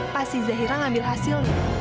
pas si zahira ngambil hasilnya